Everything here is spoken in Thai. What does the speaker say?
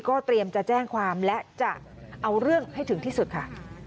เตรียมจะแจ้งความและจะเอาเรื่องให้ถึงที่สุดค่ะ